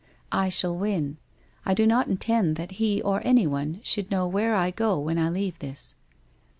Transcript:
I shall win. I do not intend that he or anyone should know where I go when I leave this.'